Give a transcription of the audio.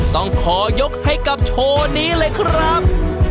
ต้องขอยกให้กับโชว์นี้เลยครับ